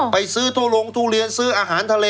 ไปซื้อทั่วโรงทุเรียนซื้ออาหารทะเล